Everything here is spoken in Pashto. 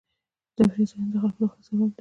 د تفریح ځایونه د خلکو د خوښۍ سبب دي.